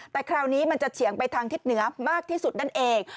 แต่คราวนี้มันจะเฉียงไปทางทิศเหนือมากที่สุดนั่นเอง